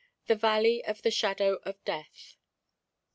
The Valley of the Shadow of Death.